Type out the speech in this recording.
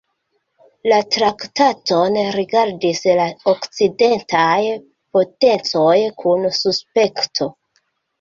La traktaton rigardis la okcidentaj potencoj kun suspekto.